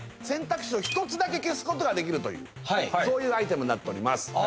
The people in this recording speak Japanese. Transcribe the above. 選択肢を１つだけ消すことができるというそういうアイテムになっております